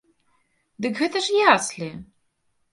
Дык гэта ж яслі!